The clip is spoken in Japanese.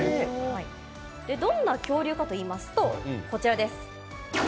どんな恐竜かといいますとこちらです。